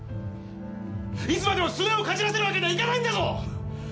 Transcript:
いつまでもすねをかじらせるわけにはいかないんだぞ！